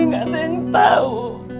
gak ada yang tau